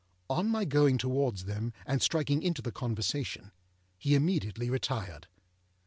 On my going towards them, and striking into the conversation, he immediately retired.